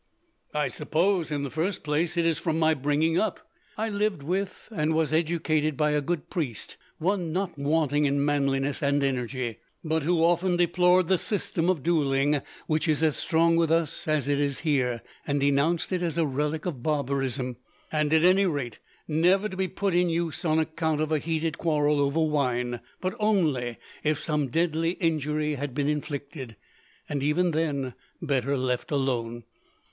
"I suppose, in the first place, it is from my bringing up. I lived with and was educated by a good priest, one not wanting in manliness and energy, but who often deplored the system of duelling, which is as strong with us as it is here, and denounced it as a relic of barbarism, and, at any rate, never to be put in use on account of a heated quarrel over wine, but only if some deadly injury had been inflicted, and even then better left alone.